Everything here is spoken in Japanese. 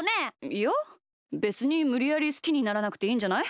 いやべつにむりやりすきにならなくていいんじゃない？